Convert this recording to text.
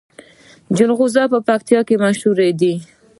جلغوزي په پکتیا کې مشهور دي